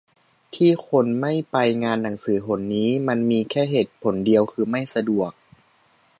ที่คนไม่ไปงานหนังสือหนนี้มันมีแค่เหตุผลเดียวคือไม่สะดวก